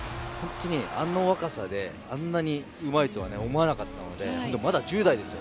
あの若さであんなにうまいとは思わなかったのでまだ１０代です。